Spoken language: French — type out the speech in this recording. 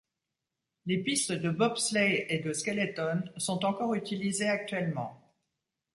Les pistes de bobsleigh et de skeleton sont encore utilisées actuellement.